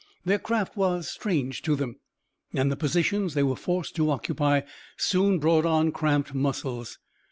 Their craft was strange to them, and the positions they were forced to occupy soon brought on cramped muscles.